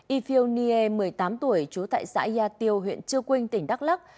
ifeo nie một mươi tám tuổi trú tại xã yatio huyện chư quynh tỉnh đắk lắk